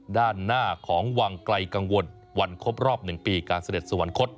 ด้านหน้าของวังไกลกังวลวันครบรอบ๑ปีการเสด็จสวรรคต